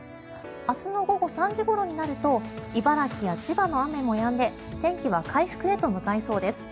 明日の午後３時ごろになると茨城や千葉の雨もやんで天気は回復へと向かいそうです。